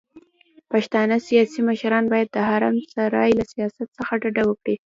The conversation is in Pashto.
پښتانه سياسي مشران بايد د حرم سرای له سياست څخه ډډه وکړي.